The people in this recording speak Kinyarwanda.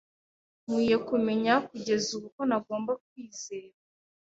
Nkwiye kumenya kugeza ubu ko ntagomba kwizera .